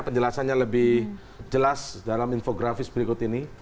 penjelasannya lebih jelas dalam infografis berikut ini